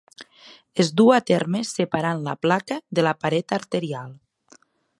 Es du a terme separant la placa de la paret arterial.